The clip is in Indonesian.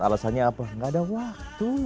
alasannya apa nggak ada waktu